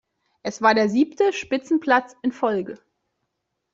Es war der siebte Spitzenplatz in Folge.